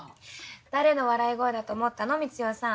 誰の笑い声だと思ったの光代さん。